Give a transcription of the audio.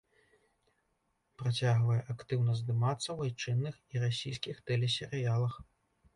Працягвае актыўна здымацца ў айчынных і расійскіх тэлесерыялах.